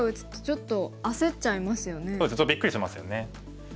ちょっとびっくりしますよね。